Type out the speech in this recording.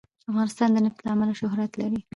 افغانستان د نفت له امله شهرت لري.